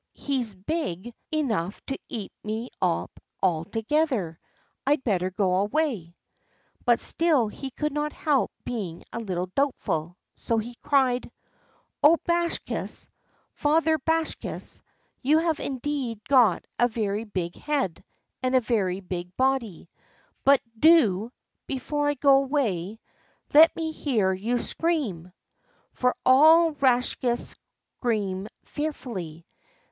He's big enough to eat me up altogether. I'd better go away." But still he could not help being a little doubtful, so he cried: "O Bakshas, father Bakshas! you have indeed got a very big head and a very big body; but do, before I go away, let me hear you scream," for all Rakshas scream fearfully.